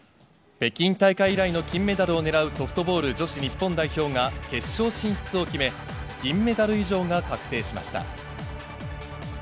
北京大会以来の金メダルをねらうソフトボール女子日本代表が、決勝進出を決め、銀メダル以上が確定しました。